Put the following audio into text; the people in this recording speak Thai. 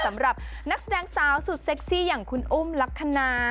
สำหรับนักแสดงสาวสุดเซ็กซี่อย่างคุณอุ้มลักษณะ